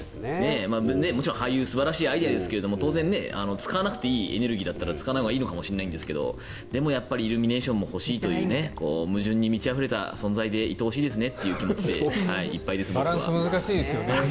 もちろん廃油素晴らしいアイデアですが使わなくていいエネルギーだったら使わないほうがいいのかもしれないですがでもイルミネーションも欲しいという矛盾に満ちあふれた存在でいてほしいですという気持ちでバランス難しいですね。